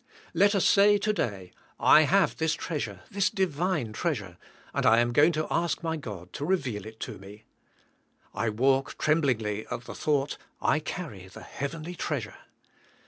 Let us say to day, I have this treasure, this divine treas ure, and I am going to ask my God to reveal it to me. I walk tremblingly at the thought, I carry the heavenly treasure.